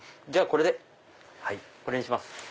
じゃあこれでこれにします。